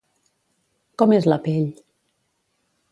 Com és la pell?